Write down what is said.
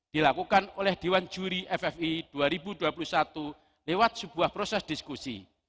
dilakukan oleh dewan juri ffi dua ribu dua puluh satu lewat sebuah proses diskusi